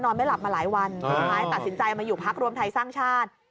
ไม่หลับมาหลายวันสุดท้ายตัดสินใจมาอยู่พักรวมไทยสร้างชาติ